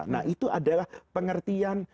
nah itu adalah pengertian